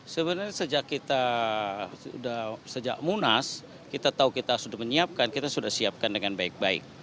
sebenarnya sejak kita sudah sejak munas kita tahu kita sudah menyiapkan kita sudah siapkan dengan baik baik